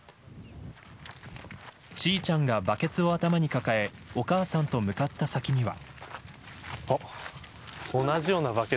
チーチャンがバケツを頭に抱えお母さんと向かった先には。